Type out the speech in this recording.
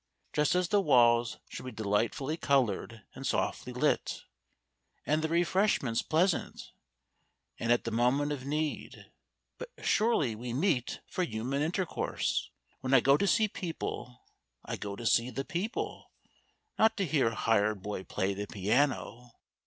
Just as the walls should be delightfully coloured and softly lit, and the refreshments pleasant and at the moment of need. But surely we meet for human intercourse. When I go to see people I go to see the people not to hear a hired boy play the piano.